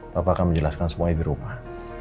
bapak akan menjelaskan semuanya di rumah